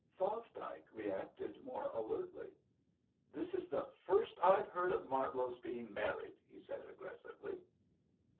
Fosdike reacted more alertly. "This is the first I've heard of Martlow's being married," he said aggressively.